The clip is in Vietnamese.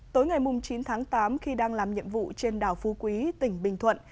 tối ngày chín tháng tám khi đang làm nhiệm vụ trên đảo phu quý tỉnh bình thuận